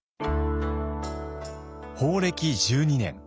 宝暦１２年。